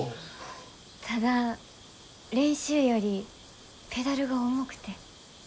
ただ練習よりペダルが重くて。